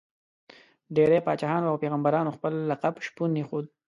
ډېری پاچاهانو او پيغمبرانو خپل لقب شپون ایښود.